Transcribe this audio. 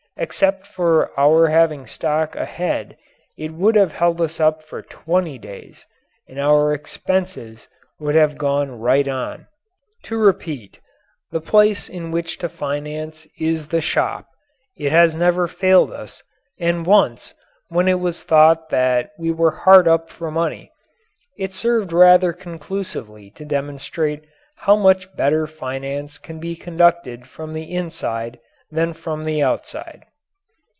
Except for our having stock ahead it would have held us up for twenty days and our expenses would have gone right on. To repeat. The place in which to finance is the shop. It has never failed us, and once, when it was thought that we were hard up for money, it served rather conclusively to demonstrate how much better finance can be conducted from the inside than from the outside.